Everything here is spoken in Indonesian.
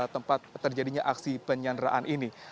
tempat terjadinya aksi penyanderaan ini